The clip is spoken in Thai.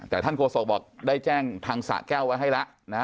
แต่ท่านโครวศกได้แจ้งทางสะแก้วให้แล้ว